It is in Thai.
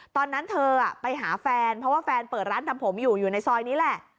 ตอนนั้นเธอไปหาแฟนเพราะว่าแฟนเปิดร้านทำผมอยู่อยู่ในซอยนี้แหละ